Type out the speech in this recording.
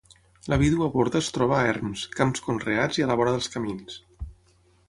La vídua borda es troba a erms, camps conreats i a la vora dels camins.